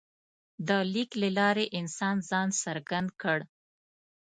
د لیک له لارې انسان ځان څرګند کړ.